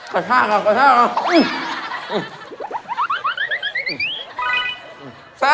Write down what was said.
กระช่ากับกระช่ากับ